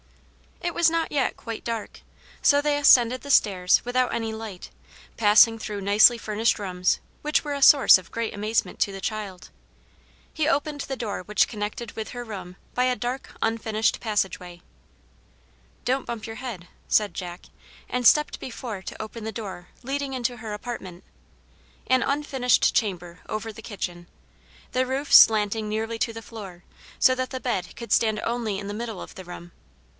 It was not yet quite dark, so they ascended the stairs without any light, passing through nicely furnished rooms, which were a source of great amazement to the child. He opened the door which connected with her room by a dark, unfinished passage way. "Don't bump your head," said Jack, and stepped before to open the door leading into her apartment, an unfinished chamber over the kitchen, the roof slanting nearly to the floor, so that the bed could stand only in the middle of the room.